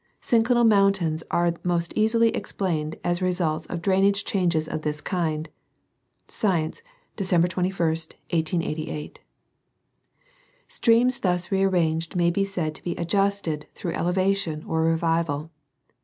Synclinal mountains are most easily ex |ilained as results of drainage changes of this kind [Science, Dec. 2 1st, 1888]. Streams thus rearranged may be said to be adjusted through elevation or revival.